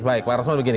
baik pak rasman begini